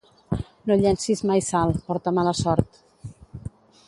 No llencis mai sal, porta mala sort.